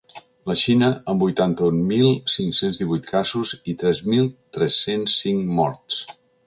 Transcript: La Xina, amb vuitanta-un mil cinc-cents divuit casos i tres mil tres-cents cinc morts.